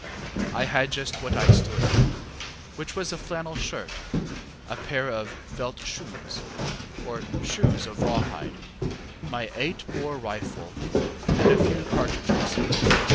I had just what I stood in, which was a flannel shirt, a pair of ŌĆśveldt schoons, ŌĆÖ or shoes of raw hide, my eight bore rifle, and a few cartridges.